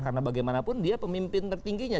karena bagaimanapun dia pemimpin tertingginya